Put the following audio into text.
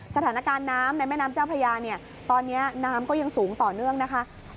สถานการณ์น้ำในแม่น้ำเจ้าพระยาเนี่ยตอนนี้น้ำก็ยังสูงต่อเนื่องนะคะ